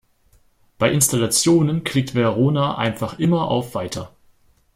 Bei Installationen klickt Verona einfach immer auf "Weiter".